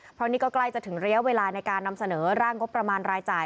เพราะนี่ก็ใกล้จะถึงระยะเวลาในการนำเสนอร่างงบประมาณรายจ่าย